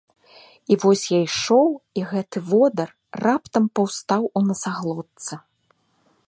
І вось я ішоў, і гэты водар раптам паўстаў у насаглотцы.